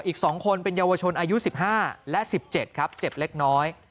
อีกสองคนเป็นเยาวชนอายุสิบห้าและสิบเจ็บครับเจ็บเล็กน้อย